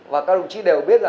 và các đồng chí đều biết